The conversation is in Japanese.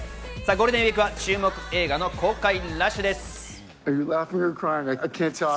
ゴールデンウイークは注目映画の公開ラッシュです。